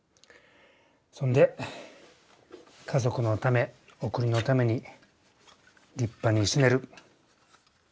そんで家族のためお国のために立派に死ねる。